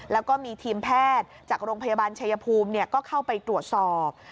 แล้วก็มีทีมแพทย์จากโรงพยาบาลชายภูมิก็เข้าไปตรวจสอบ